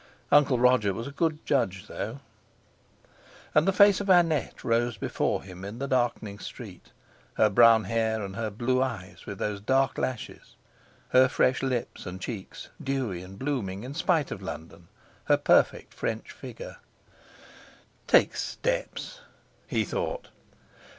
Uncle Roger was a good judge, though." And the face of Annette rose before him in the darkening street; her brown hair and her blue eyes with their dark lashes, her fresh lips and cheeks, dewy and blooming in spite of London, her perfect French figure. "Take steps!" he thought.